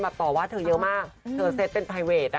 ต่อว่าเธอเยอะมากเธอเซ็ตเป็นไพเวท